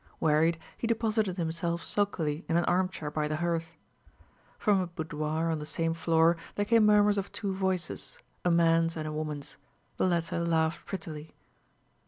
Wearied, he deposited himself sulkily in an armchair by the hearth. From a boudoir on the same floor there came murmurs of two voices, a man's and a woman's. The latter laughed prettily.